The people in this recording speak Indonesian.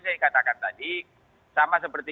saya katakan tadi sama seperti